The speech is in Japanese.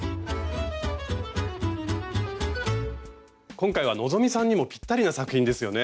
今回は希さんにもぴったりな作品ですよね。